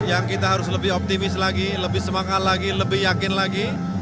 yang kita harus lebih optimis lagi lebih semangat lagi lebih yakin lagi